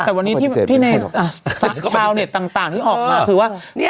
แต่วันนี้ที่ในชาวเน็ตต่างที่ออกมาคือว่า